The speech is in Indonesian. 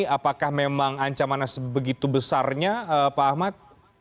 apakah memang ancaman sebegitu besarnya pak ahmad